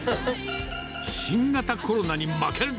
新型コロナに負けるな！